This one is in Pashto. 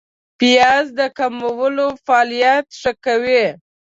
پیاز د کولمو فعالیت ښه کوي